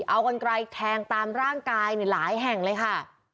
เอากันไกลแทงตามร่างกายหลายแห่งเลยค่ะ